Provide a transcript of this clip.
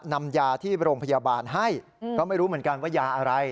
นำยาที่โรงพยาบาลให้ก็ไม่รู้เหมือนกันว่ายาอะไร